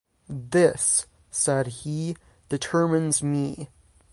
‘This,’ said he, ‘determines me'.